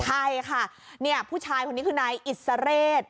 ใช่ค่ะเนี่ยผู้ชายคนนี้คือนายอิสระเรศ